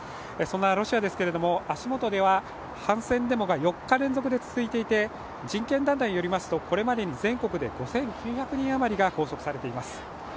そんなロシアですが、足元では反戦デモが４日連続で続いていて、人権団体によりますとこれまでに全国で５９００人余りが拘束されています。